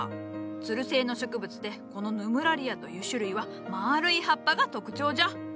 つる性の植物でこのヌムラリアという種類はまあるい葉っぱが特徴じゃ。